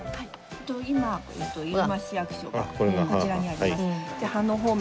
今入間市役所がこちらにあります。